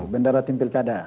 bendahara timpil kada